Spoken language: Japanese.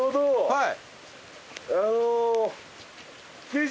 はい。